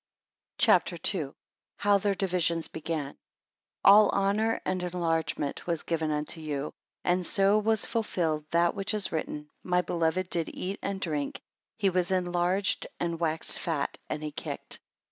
CHAPTER II. How their divisions began. ALL honour and enlargement was given unto you; and so was fulfilled that which is written, my beloved did eat and drink, he was enlarged and waxed fat, and he kicked.